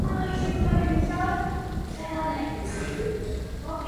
სხვა ცხოველებს შორის აღსანიშნავია მგელი და ფოცხვერი.